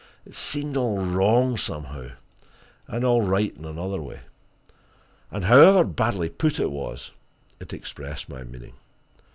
It seemed all wrong, somehow and all right in another way. And, however badly put it was, it expressed my meaning.